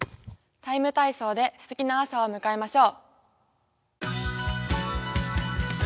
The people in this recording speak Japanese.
「ＴＩＭＥ，体操」で、すてきな朝を迎えましょう。